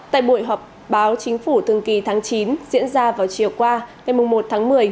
tại buổi họp báo chính phủ thường kỳ tháng chín diễn ra vào chiều qua ngày một tháng một mươi